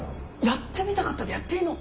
やってみたかったでやっていいの？